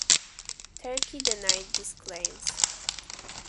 Turkey denied these claims.